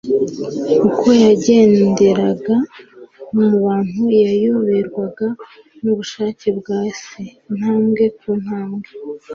Uko yagendagendaga mu bantu, yayoborwaga n'ubushake bwa Se intambwe ku ntambwe.